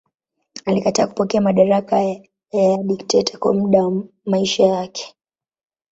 Alikataa kupokea madaraka ya dikteta kwa muda wa maisha yake.